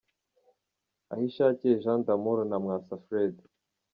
Ahishakiye Jean d’Amour na Mwasa Fred.